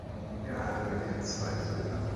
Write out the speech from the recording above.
Er hatte mit ihr zwei Söhne.